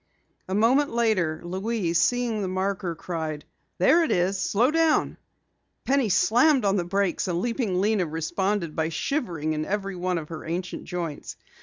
A moment later Louise, seeing the marker, cried: "There it is! Slow down!" Penny slammed on the brakes and Leaping Lena responded by shivering in every one of her ancient joints.